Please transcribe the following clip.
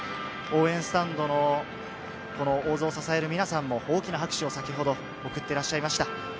応援スタンドの大津を支える皆さんも大きな拍手を先ほど送っていらっしゃいました。